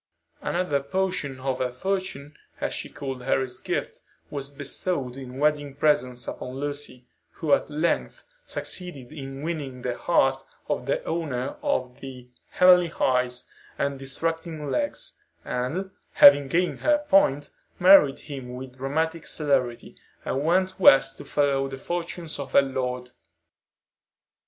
Another portion of her fortune, as she called Harry's gift, was bestowed in wedding presents upon Lucy, who at length succeeded in winning the heart of the owner of the "heavenly eyes" and "distracting legs;" and, having gained her point, married him with dramatic celerity, and went West to follow the fortunes of her lord.